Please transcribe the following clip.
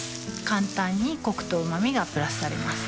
簡単にコクとうま味がプラスされます